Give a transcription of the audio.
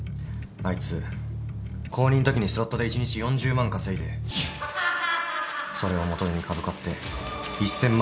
あいつ高２んときにスロットで一日４０万稼いでそれを元手に株買って１，０００万